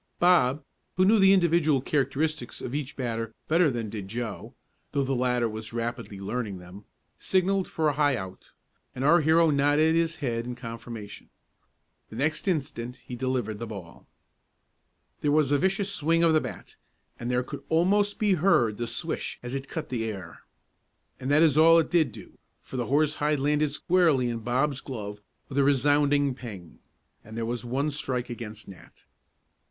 Bob, who knew the individual characteristics of each batter better than did Joe (though the latter was rapidly learning them) signalled for a high out, and our hero nodded his head in confirmation. The next instant he delivered the ball. There was a vicious swing of the bat, and there could almost be heard the swish as it cut the air. And that is all it did do, for the horsehide landed squarely in Bob's glove with a resounding ping! and there was one strike against Nat.